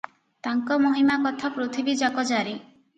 ତାଙ୍କ ମହିମା କଥା ପୃଥିବୀଯାକ ଜାରି ।